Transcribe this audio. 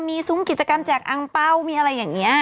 มีซุ้มกิจกรรมแจกอังเป้ามีอะไรอย่างนี้